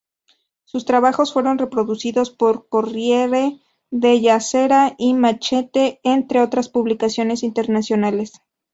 Sus trabajos fueron reproducidos por "Corriere della Sera" y "Manchete", entre otras publicaciones internacionales.